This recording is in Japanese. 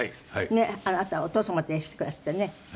あなたはお父様といらしてくだすってね。